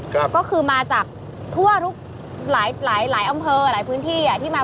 ก็คือมาจากทั่วหลายอำเภอหลายพื้นที่ที่มา